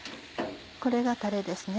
これがたれですね。